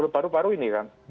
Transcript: baru baru ini kan